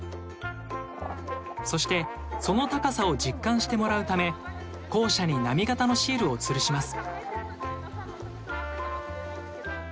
そしてその高さを実感してもらうため校舎に波形のシールをつるします。